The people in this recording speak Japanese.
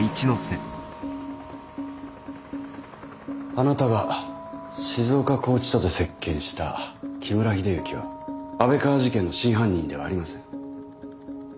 あなたが静岡拘置所で接見した木村秀幸は安倍川事件の真犯人ではありません。